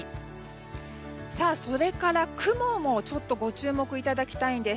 雲もご注目いただきたいんです。